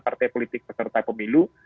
partai politik peserta pemilu